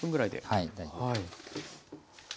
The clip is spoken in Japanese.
はい。